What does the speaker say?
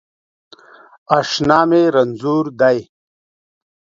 اشنا می رنځور دی